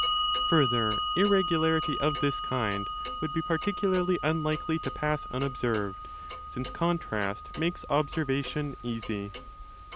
Further, irregularity of this kind would be particularly unlikely to pass unobserved, since contrast makes observation easy.